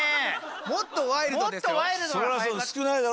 もっとワイルドですよ。